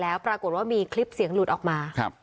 แล้วปรากฏว่ามีคลิปเสียงหลุดออกมา